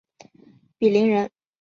鄙陵人。